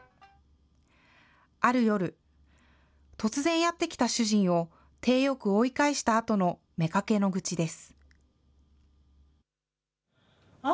ある夜、突然やって来た主人を体よく追い返したあとの妾の愚痴です。